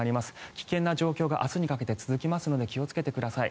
危険な状況が明日にかけて続きますので気をつけてください。